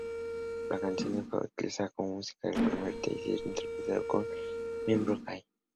La canción fue utilizada como música del primer "teaser" interpretado por el miembro Kai.